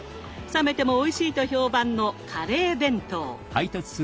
冷めてもおいしいと評判のカレー弁当。